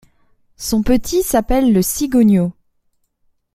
Son petit s’appelle le cigogneau.